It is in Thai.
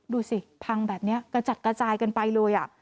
ดูสิพังแบบนี้กระจัดกระจายกันไปเลย